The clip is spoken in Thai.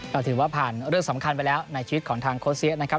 ก็ถือว่าผ่านเรื่องสำคัญไปแล้วในชีวิตของทางโค้เซียนะครับ